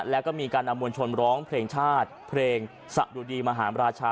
แล้วก็มีการนำมวลชนร้องเพลงชาติเพลงสะดุดีมหาราชา